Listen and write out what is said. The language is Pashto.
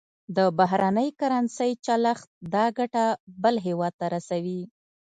د بهرنۍ کرنسۍ چلښت دا ګټه بل هېواد ته رسوي.